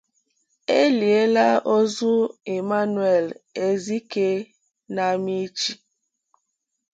E Liela Ozu Emmanuel Ezike n'Amichi